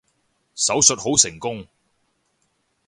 手術好成功